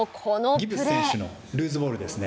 ギブス選手のルーズボールですね。